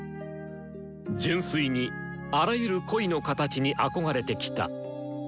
純粋にあらゆる恋の形に憧れてきた。